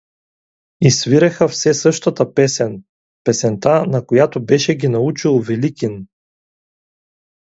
И свиреха все същата песен — песента, на която беше ги научил Великин.